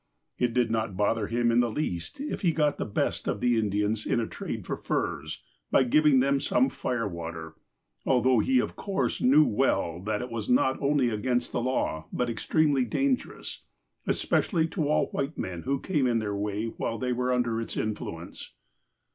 It did not bother him in the least if he got the best of the Indians in a trade for furs, by giving them some fire water, although he of course well knew that it was not only against the law, but extremely dangerous, especially to all white men who came in their way while they were under its influence.